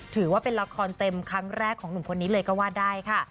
ถือว่าเป็นละครเต็มครั้งแรกของหนุ่มคนนี้เลยก็ว่าได้ค่ะ